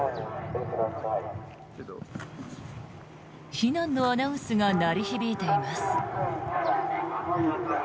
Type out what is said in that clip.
避難のアナウンスが鳴り響いています。